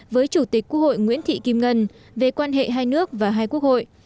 với chủ tịch quốc hội nguyễn thị kim ngân về quan hệ hai nước và hai quốc hội